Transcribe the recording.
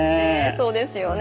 そうですよね。